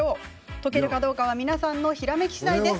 解けるかどうかは皆さんのひらめきしだいです。